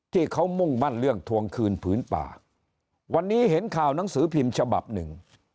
ที่เขามุ่งมั่นเรื่องทวงคืนผืนป่าวันนี้เห็นข่าวหนังสือพิมพ์ฉบับหนึ่ง